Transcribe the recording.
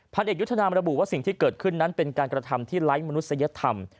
เด็กยุทธนามระบุว่าสิ่งที่เกิดขึ้นนั้นเป็นการกระทำที่ไร้มนุษยธรรม